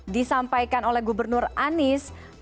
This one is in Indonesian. disampaikan oleh gubernur anies